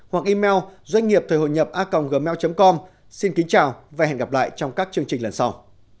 hoặc email doanh nghiệp thời hội nhập a gmail com xin kính chào và hẹn gặp lại trong các chương trình lần sau